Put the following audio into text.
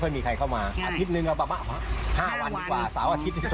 ตำรวจสภ์รัฐนาธิเบอร์